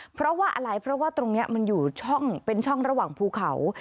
เพราะว่าอะไรเพราะว่าตรงนี้มันอยู่ช่องเป็นช่องระหว่างภูเขา